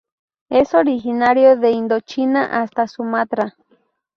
Es originario de Indochina hasta Sumatra.